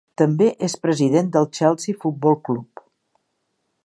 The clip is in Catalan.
També és president del Chelsea Football Club.